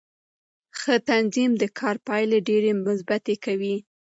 ښه تنظیم د کار پایلې ډېرې مثبتې کوي